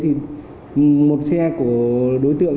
thì một xe của đối tượng